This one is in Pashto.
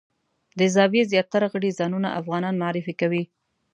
د زاویې زیاتره غړي ځانونه افغانان معرفي کوي.